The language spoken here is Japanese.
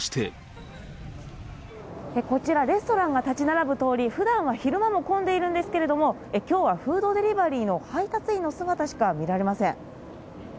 こちら、レストランが建ち並ぶ通り、ふだんは昼間も混んでいるんですけれども、きょうはフードデリバリーの配達員の姿しか見られません。